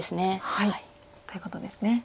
ということですね。